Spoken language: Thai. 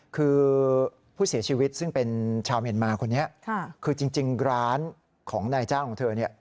คือผู้เสียชีวิตซึ่งเป็นชาวเมียนมาคนนี้คือจริงร้านของนายจ้างของเธอเนี่ย